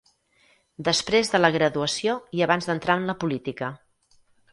Després de la graduació i abans d'entrar en la política.